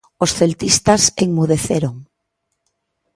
Os celtistas enmudeceron.